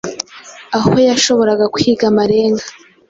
aho yashoboraga kwiga amarenga